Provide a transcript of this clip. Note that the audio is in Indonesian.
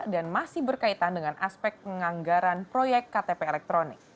dan masih berkaitan dengan aspek penganggaran proyek ktp elektronik